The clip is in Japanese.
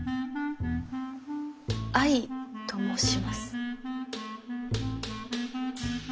愛と申します。